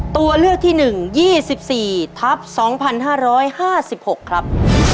ตัวเลือกที่๑๒๔ทับ๒๕๕๖ครับ